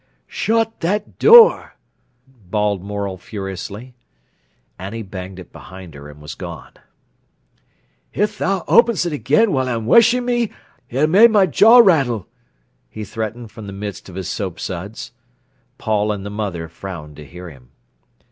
"Shut that doo er!" bawled Morel furiously. Annie banged it behind her, and was gone. "If tha oppens it again while I'm weshin' me, I'll ma'e thy jaw rattle," he threatened from the midst of his soap suds. Paul and the mother frowned to hear him.